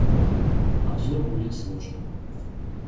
Обзор будет сложным.